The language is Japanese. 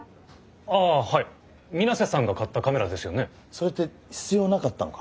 それって必要なかったのか？